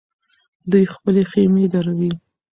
دوی خپلې خېمې دروي.